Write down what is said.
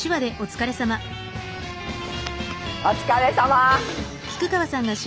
お疲れさま！